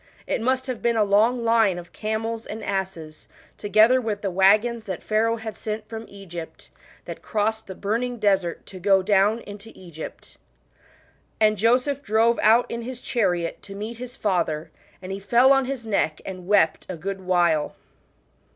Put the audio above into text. It must have been a long line of camels and asses, together with the waggons that Pharaoh had sent from Egypt, that crossed the burning desert, to go down into Egypt. And Joseph drove out in his chariot to meet his father, and " he fell on his neck and wept a good while."